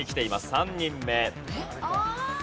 ３人目。